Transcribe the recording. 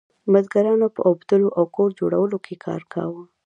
بزګرانو په اوبدلو او کور جوړولو کې کار کاوه.